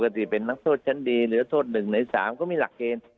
ที่เป็นนักโทษชั้นดีหรือโทษ๑ใน๓ก็มีหลักเกณฑ์